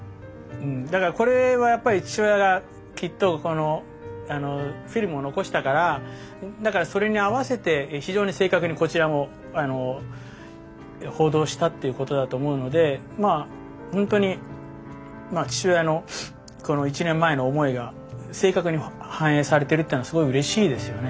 だからこれはやっぱり父親がきっとこのフィルムを残したからだからそれに合わせて非常に正確にこちらも報道したっていうことだと思うのでまあほんとに父親のこの１年前の思いが正確に反映されてるというのはすごいうれしいですよね。